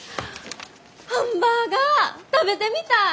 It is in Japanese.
ハンバーガー食べてみたい！